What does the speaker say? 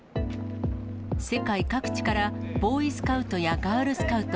世界各地から、ボーイスカウトやガールスカウト